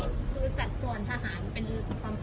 คือจัดส่วนทหารไป